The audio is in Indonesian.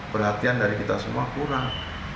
perhatian dari kita semua kurang